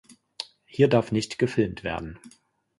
Hier darf nicht gefilmt werden